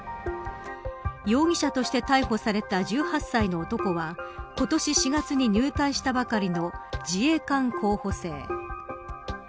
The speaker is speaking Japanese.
容疑者として逮捕された１８歳の男は今年４月に入隊したばかりの自衛官候補生。